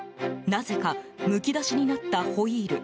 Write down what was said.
なぜかむき出しになったホイール。